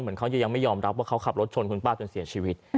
เหมือนเขายังไม่ยอมรับว่าเขาขับรถชนทุนป้าถึงเสียชีวิต